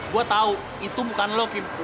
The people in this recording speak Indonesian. gue tau itu bukan lo kim